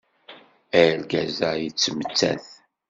Argaz-a yettemttat.